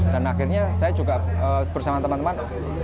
dan akhirnya saya juga bersama teman teman